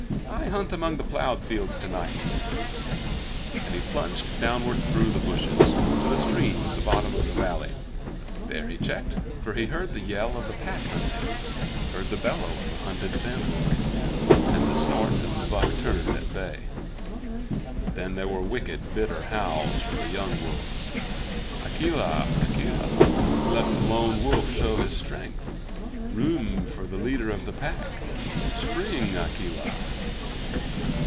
"I hunt among the plowed fields tonight," and he plunged downward through the bushes, to the stream at the bottom of the valley. There he checked, for he heard the yell of the Pack hunting, heard the bellow of a hunted Sambhur, and the snort as the buck turned at bay. Then there were wicked, bitter howls from the young wolves: "Akela! Akela! Let the Lone Wolf show his strength. Room for the leader of the Pack! Spring, Akela!"